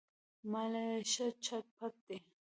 مال یې ښه چت پت دی.